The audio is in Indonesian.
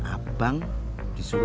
ada di pasar